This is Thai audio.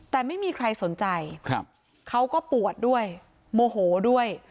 แต่ไม่มีใครสนใจเขาก็ปวดด้วยโมโหด้วย